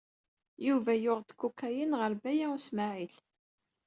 Yuba yuɣ-d kukayin ɣer Baya U Smaɛil.